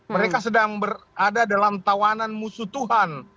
mereka sedang berada dalam tawanan musuh tuhan